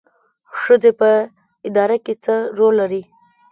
ښځې په اداره کې څه رول لري؟